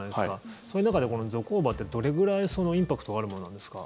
そういう中でこのゾコーバってどれぐらいインパクトがあるものなんですか？